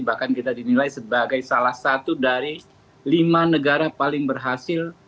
bahkan kita dinilai sebagai salah satu dari lima negara paling berhasil